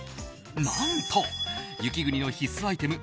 何と、雪国の必須アイテム